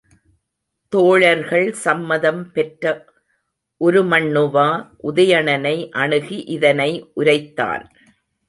தோழர்கள் சம்மதம் பெற்ற உருமண்ணுவா, உதயணனை அணுகி இதனை உரைத்தான்.